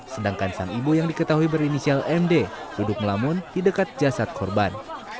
sedangkan sang ibu yang diketahui berinisial md duduk melamun di dekat jasad korban